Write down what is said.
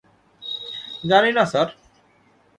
জানি না স্যার।